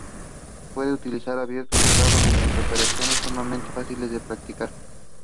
The player then travels to Cyberdyne Systems to plant explosives and destroy the facility.